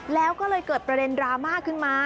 แล้วก็เลยเกิดประเด็นดราม่าขึ้นมา